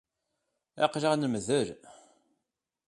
Aql-aɣ nemdel.